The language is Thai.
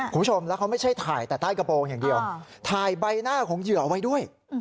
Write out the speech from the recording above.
คุณผู้ชมแล้วเขาไม่ใช่ถ่ายแต่ใต้กระโปรงอย่างเดียวถ่ายใบหน้าของเหยื่อเอาไว้ด้วย